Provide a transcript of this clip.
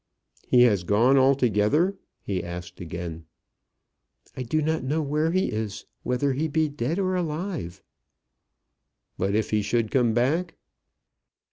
"He has gone altogether?" he asked again. "I do not know where he is, whether he be dead or alive." "But if he should come back?"